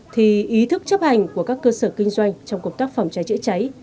thì ý thức chấp hành của các cơ sở kinh doanh trong cộng tác phòng cháy cháy